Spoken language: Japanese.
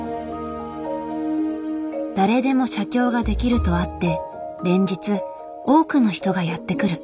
誰でも写経ができるとあって連日多くの人がやって来る。